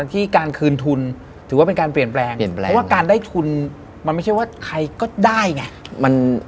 ที่การคืนทุนถือว่าเป็นการเปลี่ยนแปลงเปลี่ยนแปลงเพราะว่าการได้ทุนมันไม่ใช่ว่าใครก็ได้ไง